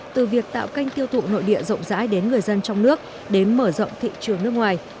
từ việc tạo canh tiêu thụ nội địa rộng rãi đến người dân trong nước đến mở rộng thị trường nước ngoài